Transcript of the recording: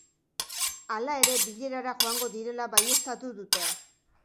Hala ere, bilerara joango direla baieztatu dute.